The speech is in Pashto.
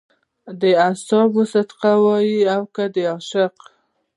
د اعصابو سکته وه او که د عشق.